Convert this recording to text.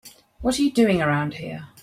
What are you doing around here?